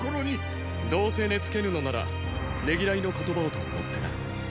どうせ寝つけぬのならねぎらいの言葉をと思ってな。